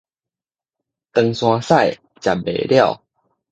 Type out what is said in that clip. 唐山屎食袂了